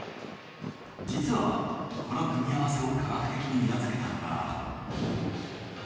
実はこの組み合わせを化学的に裏付けたのが。